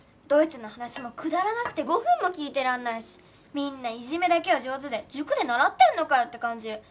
どいつの話もくだらなくて５分も聞いてらんないしみんないじめだけは上手で塾で習ってんのかよって感じ。